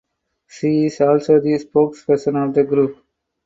She is also the spokesperson of the group.